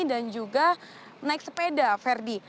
dan juga naik sepeda fethi